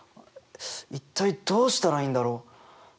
一体どうしたらいいんだろ？